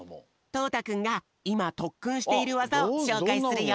とうたくんがいまとっくんしているわざをしょうかいするよ。